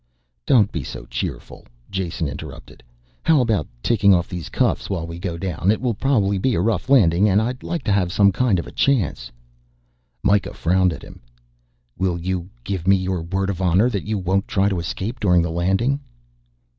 "Don't be so cheerful," Jason interrupted. "How about taking off these cuffs while we go down. It will probably be a rough landing and I'd like to have some kind of a chance." Mikah frowned at him. "Will you give me your word of honor that you won't try to escape during the landing?"